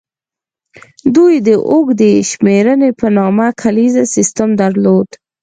دوی د اوږدې شمېرنې په نامه کالیز سیستم درلود